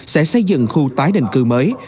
sẽ xây dựng khu tái định cư mới